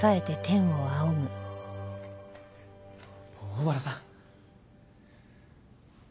小原さん。